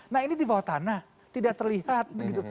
nah ini di bawah tanah tidak terlihat begitu